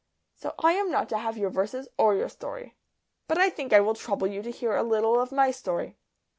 "So I am not to have your verses or your story. But I think I will trouble you to hear a little of my story.